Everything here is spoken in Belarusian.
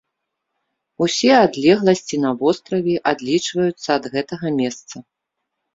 Усе адлегласці на востраве адлічваюцца ад гэтага месца.